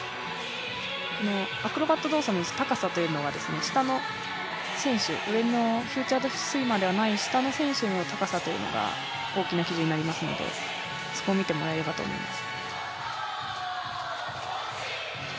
アクロバット動作の高さというのは上のフィーチャードスイマーではない下の選手の高さというのが、大きな基準となりますのでそこを見てもらえればと思います。